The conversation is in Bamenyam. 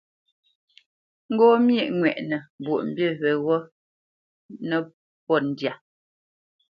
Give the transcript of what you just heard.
Ŋgó myéʼ ŋwɛʼnə Mbwoʼmbî yeghó nə́pōt ndyâ.